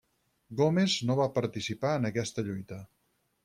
Gomes no va participar en aquesta lluita.